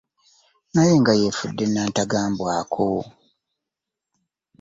Naye nga yeefudde nnantagambwako